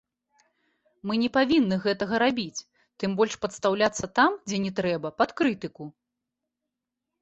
Мы не павінны гэтага рабіць, тым больш падстаўляцца там, дзе не трэба, пад крытыку.